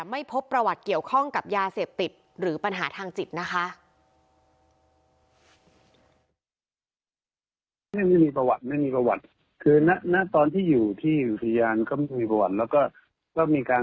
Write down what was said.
ไม่พบประวัติเกี่ยวข้องกับยาเสพติดหรือปัญหาทางจิตนะคะ